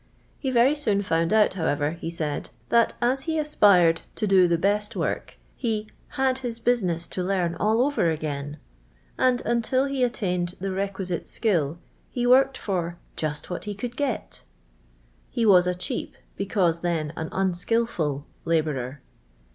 He very soon found out, however, he said, that as he aspireii to do the best work, he '' had his business to learn all over again ;"and until he attained the requisite •kill, he worked for "just what he conld get:" he was a cheap, because then an unskilful, hibourer.